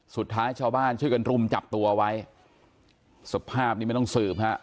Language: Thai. สุดท้ายชาวบ้านช่วยกันรุมจับตัวไว้สภาพนี้ไม่ต้องสืบฮะ